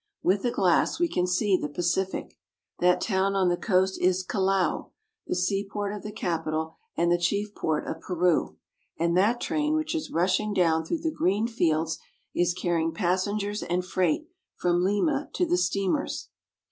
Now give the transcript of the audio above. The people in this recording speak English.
With a glass we can see the Pacific, That town on the coast is Callao (cal la'o), the seaport of the capital and the chief port of Peru, and that train which is rushing down through the green fields is carrying passengers and freight from Lima to the steamers.